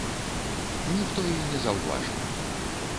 Ніхто і не заўважыў.